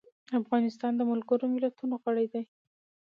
افغانستان د ملګرو ملتونو غړی دی.